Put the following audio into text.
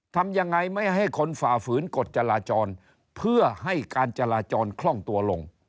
ทำยังไงไม่ให้คนฝ่าฝืนกฎจราจรเพื่อให้การจราจรคล่องตัวลง